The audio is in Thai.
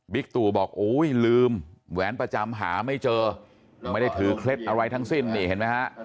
ตู่บอกโอ้ยลืมแหวนประจำหาไม่เจอไม่ได้ถือเคล็ดอะไรทั้งสิ้นนี่เห็นไหมฮะ